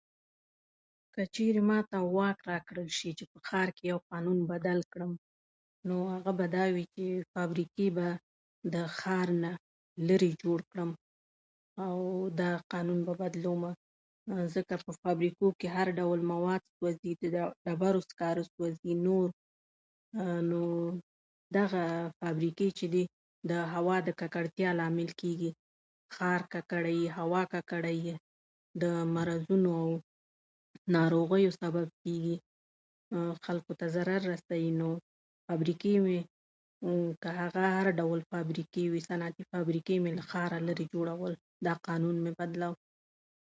که چیرې ماته واک راکړل شي، چې په ښار کې یو قانون بدل کړم نو هغه به دا وي چې فابریکی به د ښار نه لیرې جوړ کړم، او دا قانون به بدلومه. ځکه په فابریکو کې هر ډول مواد سوځي د ډبرو سکاره سوځي نوو دغه فابریکی چې دې د هوا د ککړتیا لامل کیږی، ښار ککړوي، هوا ککړه وي د مرضونو او ناروغیو سبب کیږي. خلکو ته ضرر رسوي نو فابریکې وي که هغه هر ډول فابریکي وي صنعتي فابریکي مې هم د ښاره لیرې جوړول دا قانون مې بدولاوه